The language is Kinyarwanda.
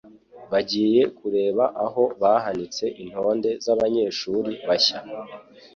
bagiye kureba aho bahanitse intonde z'abanyeshuri bashya